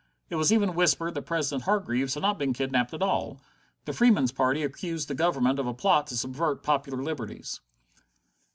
It was even whispered that President Hargreaves had not been kidnapped at all. The Freemen's Party accused the Government of a plot to subvert popular liberties.